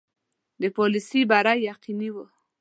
د پالیسي بری یقیني وو.